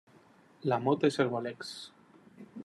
La Motte-Servolex